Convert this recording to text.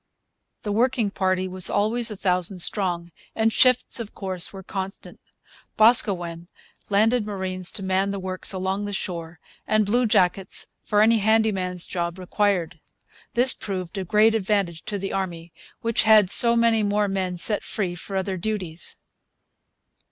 The working party was always a thousand strong, and shifts, of course, were constant. Boscawen landed marines to man the works along the shore, and bluejackets for any handy man's job required. This proved of great advantage to the army, which had so many more men set free for other duties.